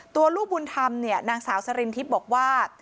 ลูกบุญธรรมเนี่ยนางสาวสรินทิพย์บอกว่า